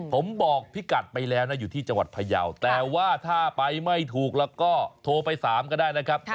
ผมบอกพี่กัดไปแล้วนะอยู่ที่จังหวัดพยาวแต่ว่าถ้าไปไม่ถูกแล้วก็โทรไป๓ก็ได้นะครับ